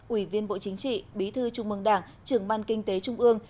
ủy viên bộ chính trị bí thư trung mương đảng trưởng ban kinh tế trung ương